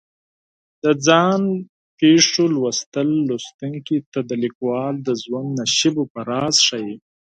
د ځان پېښو لوستل لوستونکي ته د لیکوال د ژوند نشیب و فراز ښیي.